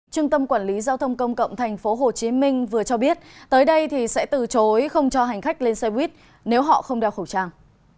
trung tâm quản lý giao thông công cộng tp hcm vừa cho biết tới đây sẽ từ chối không cho hành khách lên xe buýt nếu họ không đeo khẩu trang